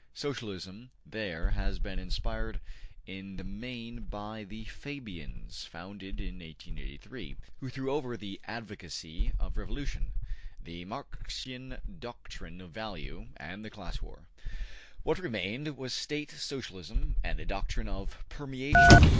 Socialism there has been inspired in the main by the Fabians (founded in 1883), who threw over the advocacy of revolution, the Marxian doctrine of value, and the class war. What remained was State Socialism and a doctrine of ``permeation.''